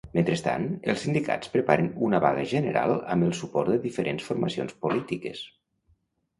Mentrestant, els sindicats preparen una vaga general amb el suport de diferents formacions polítiques.